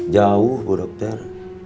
jauh bu dokter